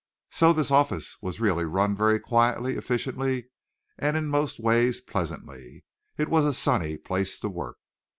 So this office was really run very quietly, efficiently, and in most ways pleasantly. It was a sunny place to work.